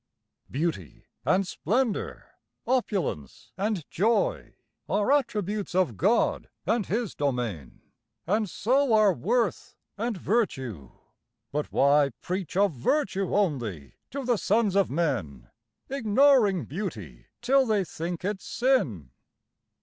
Beauty and splendour, opulence and joy, Are attributes of God and His domain, And so are worth and virtue. But why preach Of virtue only to the sons of men, Ignoring beauty, till they think it sin?